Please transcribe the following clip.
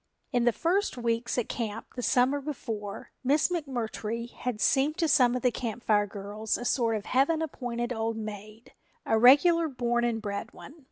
In the first weeks at camp the summer before, Miss McMurtry had seemed to some of the Camp Fire girls a sort of heaven appointed old maid, a regular born and bred one.